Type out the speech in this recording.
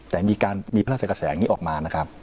แต่มีพระราชกาแสออกมา